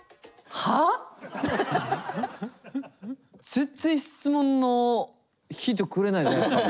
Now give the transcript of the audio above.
全然質問のヒントくれないじゃないっすか